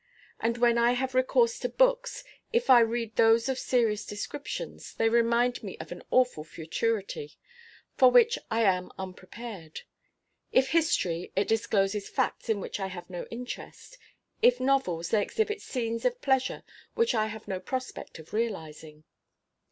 And when I have recourse to books, if I read those of serious descriptions, they remind me of an awful futurity, for which I am unprepared; if history, it discloses facts in which I have no interest; if novels, they exhibit scenes of pleasure which I have no prospect of realizing.